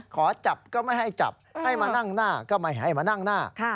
ขอจับก็ไม่ให้จับให้มานั่งหน้าก็ไม่ให้มานั่งหน้า